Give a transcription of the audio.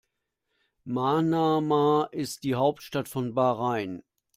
Manama ist die Hauptstadt von Bahrain.